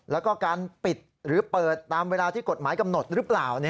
แล้วก็การปิดหรือเปิดตามเวลาที่กฎหมายกำหนดหรือเปล่า